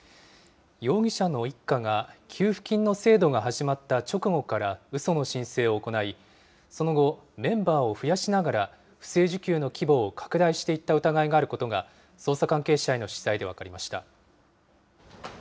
容疑者の一家が給付金の制度が始まった直後から、うその申請を行い、その後、メンバーを増やしながら不正受給の規模を拡大していった疑いがあることが、捜査関係者への取材で分かりました。